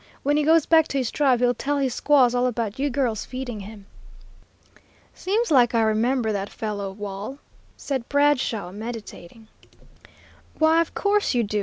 When he goes back to his tribe he'll tell his squaws all about you girls feeding him.'" "Seems like I remember that fellow Wall," said Bradshaw, meditating. "Why, of course you do.